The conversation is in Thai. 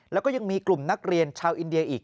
แล้วก็ยังมีกลุ่มนักเรียนชาวอินเดียอีก